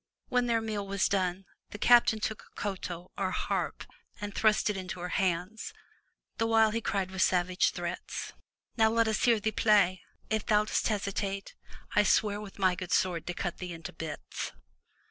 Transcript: When their meal was done, the captain took a koto or harp and thrust it into her hands, the while he cried with savage threats: "Now let us hear thee play! If thou dost hesitate, I swear with my good sword to cut thee into bits!"